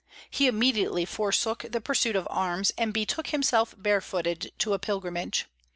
He immediately forsook the pursuit of arms, and betook himself barefooted to a pilgrimage.